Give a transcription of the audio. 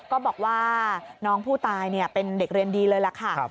ก็บอกว่าน้องผู้ตายเป็นเด็กเรียนดีเลยล่ะค่ะ